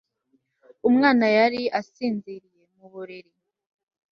Umwana yari asinziriye mu buriri